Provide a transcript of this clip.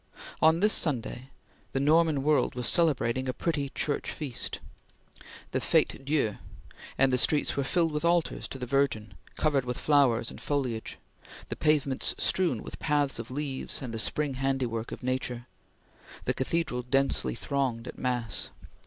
On this Sunday, the Norman world was celebrating a pretty church feast the Fete Dieu and the streets were filled with altars to the Virgin, covered with flowers and foliage; the pavements strewn with paths of leaves and the spring handiwork of nature; the cathedral densely thronged at mass.